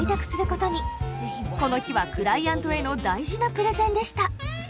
この日はクライアントへの大事なプレゼンでした。